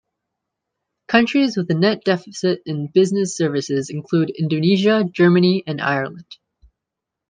Countries with a net deficit in business services include Indonesia, Germany and Ireland.